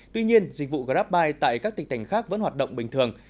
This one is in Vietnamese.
tuy nhiên dịch vụ grabbuy tại các tỉnh thành khác vẫn hoạt động bình thường